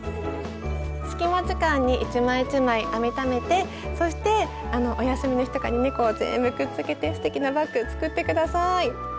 隙間時間に一枚一枚編みためてそしてお休みの日とかにねこう全部くっつけてすてきなバッグ作って下さい。